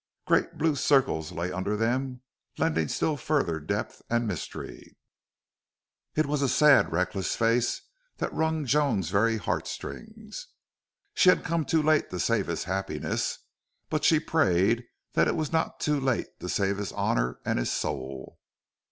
Great blue circles lay under them, lending still further depth and mystery. It was a sad, reckless face that wrung Joan's very heartstrings. She had come too late to save his happiness, but she prayed that it was not too late to save his honor and his soul.